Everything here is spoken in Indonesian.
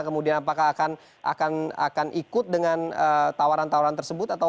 kemudian apakah akan ikut dengan tawaran tawaran tersebut